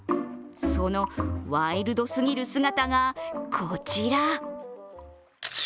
そのワイルドすぎる姿が、こちら。